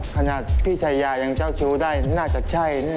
ขนาดพี่ชายายังเจ้าชู้ได้น่าจะใช่นี่